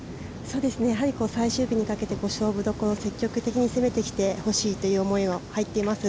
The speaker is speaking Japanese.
最終日にかけて、勝負どころ積極的に攻めてきてほしいという思いは入っています。